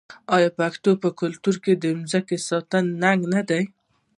آیا د پښتنو په کلتور کې د ځمکې ساتل ننګ نه دی؟